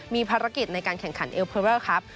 มีภารกิจในการแข่งขันเอลเพอร์เลอร์ครับ